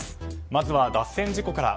まずは脱線事故から。